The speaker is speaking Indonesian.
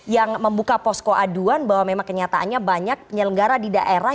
yang membuka posko aduan bahwa memang kenyataannya banyak penyelenggara di daerah